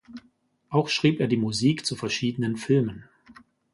Auch schrieb er die Musik zu verschiedenen Filmen.